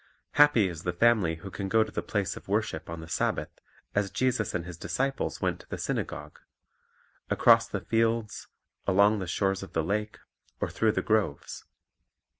Happy is the family who can go to the place of worship on the Sabbath as Jesus and His disciples went to the syna gogue, — across the fields, along the shores of the lake, or through the groves.